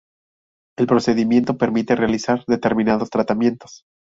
El procedimiento permite realizar determinados tratamientos.